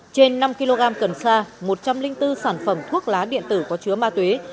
trên năm kg cần sa một trăm linh bốn sản phẩm thuốc lá điện tử có chứa ma túy